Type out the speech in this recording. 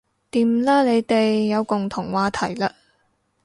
掂啦你哋有共同話題喇